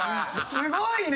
すごいね！